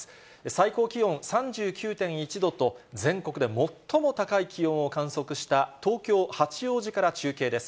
最高気温３９．１度と、全国で最も高い気温を観測した東京・八王子から中継です。